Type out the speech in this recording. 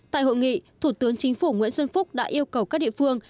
tại hội nghị thủ tướng chính phủ nguyễn xuân phúc đã yêu cầu các địa phương